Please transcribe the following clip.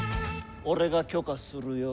俺が許可するよ。